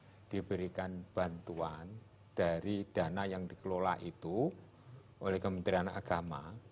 jadi diberikan bantuan dari dana yang dikelola itu oleh kementerian agama